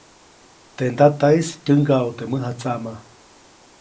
Teʼ ndataʼis tyäŋgaʼu teʼ mäjatsaʼmaʼ.